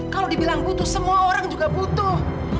kalau dibilang butuh semua orang juga butuh